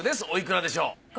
おいくらでしょう？